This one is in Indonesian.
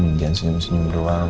jangan senyum senyum doang